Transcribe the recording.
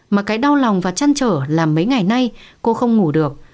mà cái đau lòng và chăn trở là mấy ngày nay cô không ngủ được